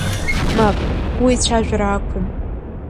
Мап, уи цәажәара ақәым…